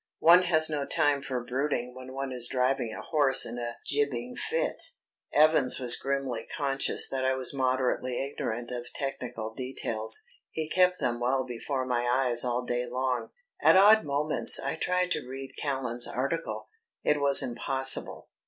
One has no time for brooding when one is driving a horse in a jibbing fit. Evans was grimly conscious that I was moderately ignorant of technical details; he kept them well before my eyes all day long. At odd moments I tried to read Callan's article. It was impossible.